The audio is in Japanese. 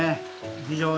非常に。